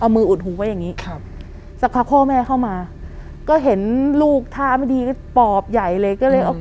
เอามืออุดหูไว้อย่างนี้ครับสักพักพ่อแม่เข้ามาก็เห็นลูกท่าไม่ดีก็ปอบใหญ่เลยก็เลยเอา